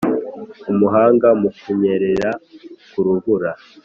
umuhanga mu kunyerera ku rubura